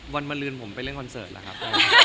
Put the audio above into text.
วันมาลืนผมไปเล่นคอนเสิร์ตแล้วครับ